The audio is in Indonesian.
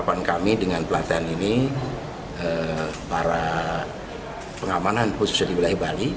pertama penanganan bom eksplosif